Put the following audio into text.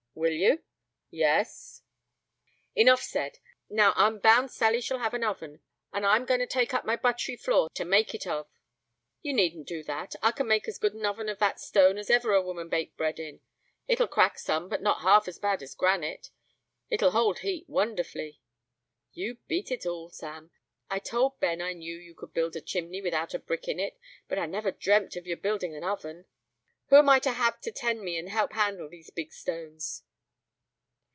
"Will you?" "Yes." "Enough said. Now, I'm bound Sally shall have an oven; and I'm going to take up my butt'ry floor to make it of." "You needn't do that. I can make as good an oven of that stone as ever a woman baked bread in. It'll crack some, but not half as bad as granite. It'll hold heat wonderfully." "You beat all, Sam. I told Ben I knew you could build a chimney without a brick in it; but I never dreamt of your building an oven." "Who am I to have to tend me, and help handle these big stones?"